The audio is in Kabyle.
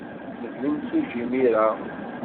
Nekk d imsujji imir-a.